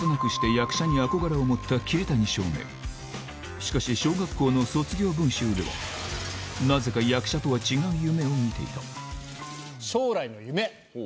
しかし小学校の卒業文集ではなぜか役者とは違う夢を見ていたおぉ！